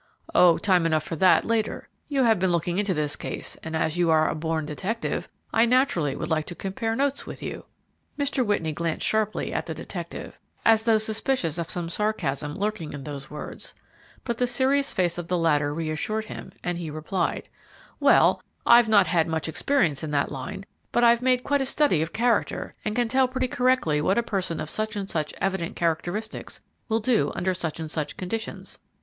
"Oh, time enough for that later. You have been looking into this case, and, as you are a born detective, I naturally would like to compare notes with you." Mr. Whitney glanced sharply at the detective, as though suspicious of some sarcasm lurking in those words, but the serious face of the latter reassured him, and he replied, "Well, I've not had much experience in that line, but I've made quite a study of character, and can tell pretty correctly what a person of such and such evident characteristics will do under such and such conditions.